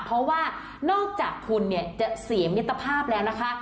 เพราะว่านอกจากคุณเนี่ยจะเสียมิตรภาพแล้วนะคะ